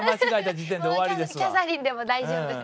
キャサリンでも大丈夫。